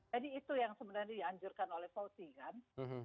jadi itu yang sebenarnya dianjurkan oleh fauzi kan